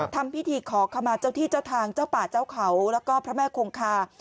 ทำพิธีขอขมาเจ้าที่เจ้าทางเจ้าป่าเจ้าเขาแล้วก็พระแม่คงคา